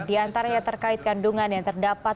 diantara yang terkait kandungan yang terdapat